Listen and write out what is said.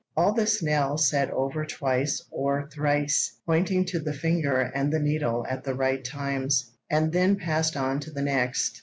All this Nell said over twice or thrice, pointing to the finger and the needle at the right times, and then passed on to the next.